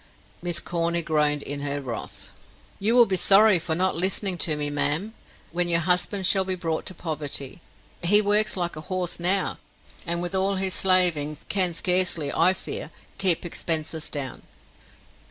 Miss Corny groaned in her wrath. "You will be sorry for not listening to me, ma'am, when your husband shall be brought to poverty. He works like a horse now, and with all his slaving, can scarcely, I fear, keep expenses down."